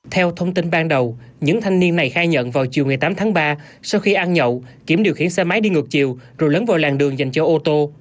theo thông tin ban đầu những thanh niên này khai nhận vào chiều ngày tám tháng ba sau khi ăn nhậu kiểm điều khiển xe máy đi ngược chiều rồi lấn vào làng đường dành cho ô tô